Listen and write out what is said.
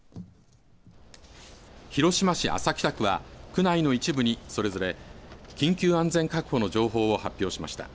広島市安佐北区は区内の一部にそれぞれ緊急安全確保の情報を発表しました。